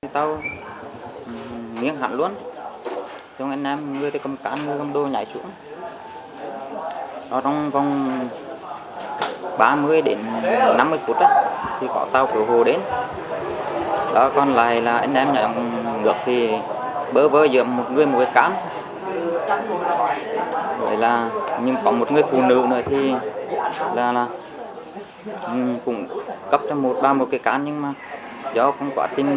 trên tàu lúc gặp nạn có khoảng hơn bốn mươi người bao gồm thủ đoàn công nhân cán bộ đi nhờ tàu hàng ra huyện đảo cồn cỏ